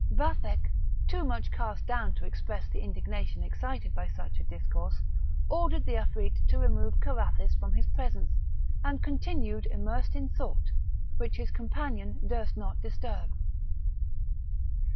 Vathek, too much cast down to express the indignation excited by such a discourse, ordered the Afrit to remove Carathis from his presence, and continued immersed in thought, which his companion durst not disturb.